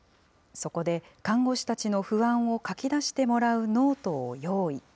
そこで、看護師たちの不安を書きだしてもらうノートを用意。